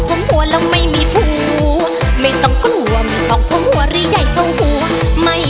แชมป์ปูของเราค่ะสุนปูนี่